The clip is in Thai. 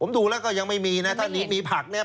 ผมดูแล้วก็ยังไม่มีนะถ้าหนีมีผักเนี่ย